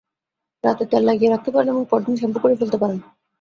রাতে তেল লাগিয়ে রাখতে পারেন এবং পরদিন শ্যাম্পু করে ফেলতে পারেন।